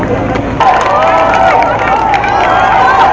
ขอบคุณทุกคน